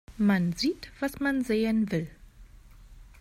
Man sieht, was man sehen will.